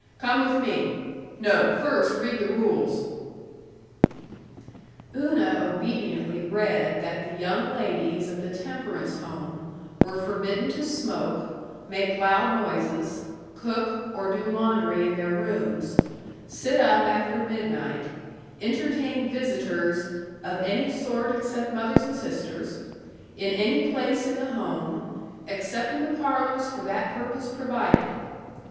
Come with me. No; first read the rules." Una obediently read that the young ladies of the Temperance Home were forbidden to smoke, make loud noises, cook, or do laundry in their rooms, sit up after midnight, entertain visitors "of any sort except mothers and sisters" in any place in the Home, "except in the parlors for that purpose provided."